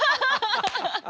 ハハハハハ。